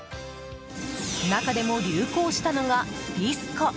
中でも流行したのが、ディスコ！